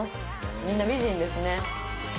みんな美人ですね。